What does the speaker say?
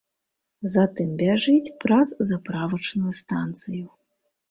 Затым бяжыць праз заправачную станцыю.